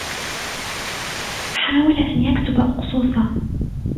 حاول أن يكتب أقصوصة.